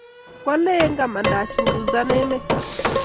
kwalee ngamanda achunguzan emet